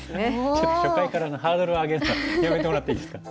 ちょっと初回からハードル上げるのはやめてもらっていいですか？